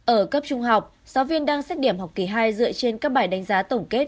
ở cấp trung học giáo viên đang xét điểm học kỳ hai dựa trên các bài đánh giá tổng kết